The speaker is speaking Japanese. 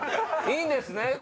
いいんですね？